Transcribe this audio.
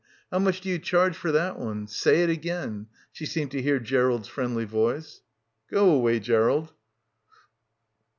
How much do you charge for that one. Say it again,' she seemed to hear Gerald's friendly voice. Go away Gerald.